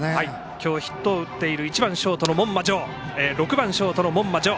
今日ヒットを打っている６番、ショートの門間丈。